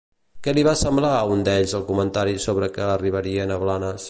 Què li va semblar a un d'ells el comentari sobre que arribarien a Blanes?